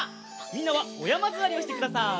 みんなはおやまずわりをしてください。